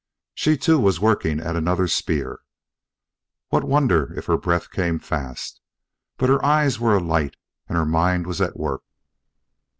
She, too, was working at another spear what wonder if her breath came fast! but her eyes were alight, and her mind was at work.